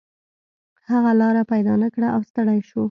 هغه لاره پیدا نه کړه او ستړی شو.